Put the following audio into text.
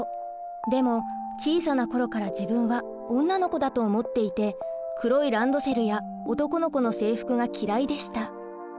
でも小さな頃から自分は女の子だと思っていて黒いランドセルや男の子の制服が嫌いでした。